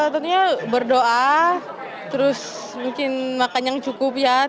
tentunya berdoa terus mungkin makan yang cukup ya